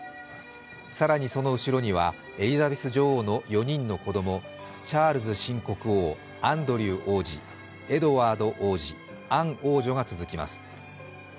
更に、その後ろにはエリザベス女王の４人の子供、チャールズ新国王、アンドリュー王子、エドワード王子、アン王女が続きます。